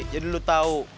jadi lu tau